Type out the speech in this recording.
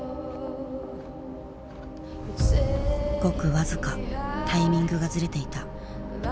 ごく僅かタイミングがズレていた。